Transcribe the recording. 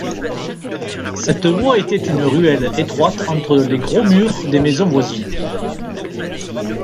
Cette voie était une ruelle étroite entre les gros murs des maisons voisines.